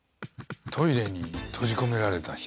トイレに閉じ込められた人。